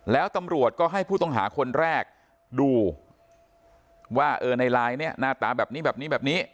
แล้วตำรวจก็ให้ผู้ต้องหาคนแรกดูว่าเออในไลน์เนี่ยหน้าตาแบบนี้แบบนี้แบบนี้